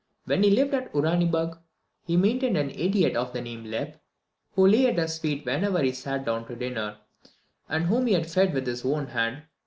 When he lived at Uraniburg he maintained an idiot of the name of Lep, who lay at his feet whenever he sat down to dinner, and whom he fed with his own hand.